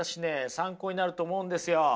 参考になると思うんですよ。